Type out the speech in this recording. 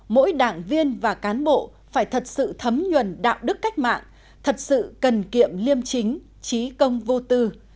mỗi đảng viên và cán bộ phải thật sự thấm nhuần đạo đức cách mạng thật sự cần kiệm liêm chính trí công vô tư